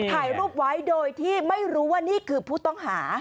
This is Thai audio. ถ่ายรูปไว้โดยที่ไม่รู้ว่านี่คือผู้ต้องหา